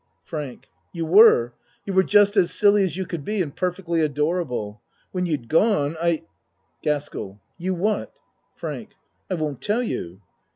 FRANK You were. You were just as silly as you could be, and perfectly adorable. When you'd gone I GASKELL You what FRANK I won't tell you.